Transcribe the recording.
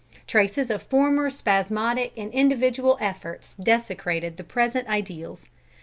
Traces of former spasmodic and individual efforts desecrated the present ideals.